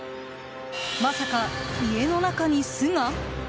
まさか家の中に巣が？